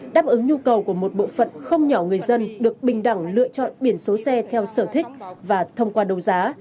đáp ứng nhu cầu của một bộ phận không nhỏ người dân được bình đẳng lựa chọn biển số xe theo sở thích và thông qua đấu giá